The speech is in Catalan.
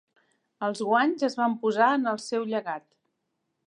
Els guanys es van posar en el seu llegat.